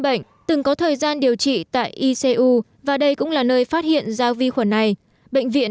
bệnh từng có thời gian điều trị tại icu và đây cũng là nơi phát hiện ra vi khuẩn này bệnh viện